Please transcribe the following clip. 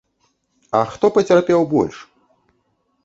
А хто пацярпеў больш?